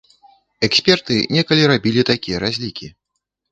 Эксперты некалі рабілі такія разлікі.